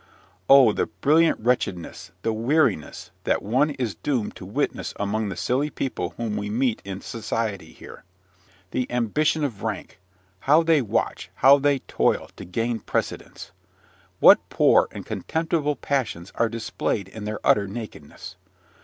Oh, the brilliant wretchedness, the weariness, that one is doomed to witness among the silly people whom we meet in society here! The ambition of rank! How they watch, how they toil, to gain precedence! What poor and contemptible passions are displayed in their utter nakedness!